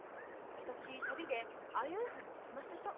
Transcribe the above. あたし旅で相生藩に行きましたと。